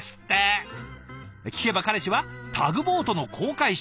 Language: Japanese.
聞けば彼氏はタグボートの航海士。